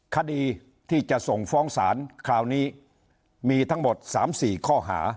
คดีที่จะส่งฟ้องศาลคราวนี้มีทั้งหมด๓๔ข้อหา